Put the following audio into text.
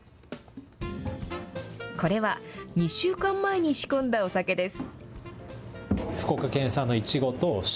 これは、２週間前に仕込んだお酒です。